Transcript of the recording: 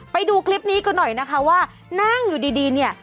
ไปดูคลิปนี้กันหน่อยนะคะว่านั่งอยู่ดีเนี่ย